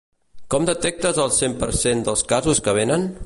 Com detectes el cent per cent dels casos que vénen?